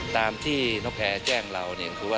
ตามที่นกแพรแจ้งเราเนี่ยก็คือว่า